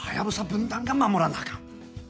分団が守らなあかん。